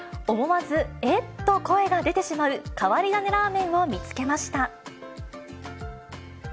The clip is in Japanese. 思わず、えっと声が出てしまう変わり種ラーメンを見つけました。